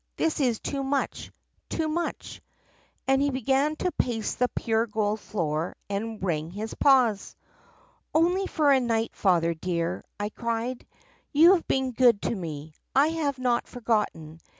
This is too much — too much!' And he began to pace the pure gold floor and wring his paws. " 'Only for a night, Father dear!' I cried. 'You have been good to me. I have not forgotten.